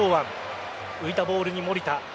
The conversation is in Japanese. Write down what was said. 浮いたボールに守田。